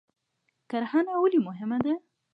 کرهڼه ولې مهمه ده؟